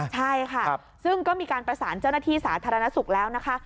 ใช่ค่ะซึ่งก็มีการประสานเจ้าหน้าที่สาธารณสุขแล้วนะคะ